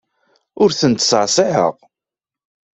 Ur ten-ttṣeɛṣiɛeɣ.